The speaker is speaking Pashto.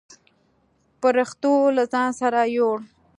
پرښتو له ځان سره يووړ.